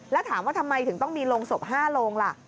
แล้วถามว่าทำไมถึงต้องมีโรงศพ๕โรงล่ะ